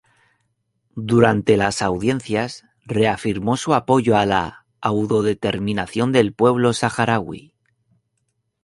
Durante las audiencias, reafirmó su apoyo a la autodeterminación del pueblo saharaui.